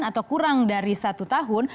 atau kurang dari satu tahun